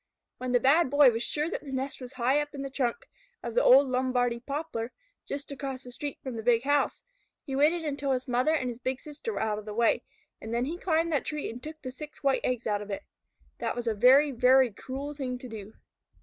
When the Bad Boy was sure that the nest was high up in the trunk of the old Lombardy poplar, just across the street from the big house, he waited until his mother and his big sister were out of the way, and then he climbed that tree and took the six white eggs out of it. That was a very, very cruel thing to do.